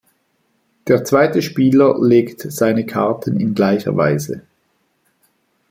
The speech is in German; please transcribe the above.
Der zweite Spieler legt seine Karten in gleicher Weise.